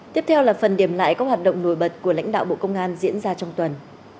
tiếp theo là phần điểm lại các hoạt động nổi bật của lãnh đạo bộ công an diễn ra trong tuần